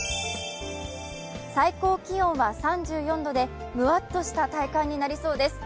最高気温は３４度でムワッとした体感になりそうです。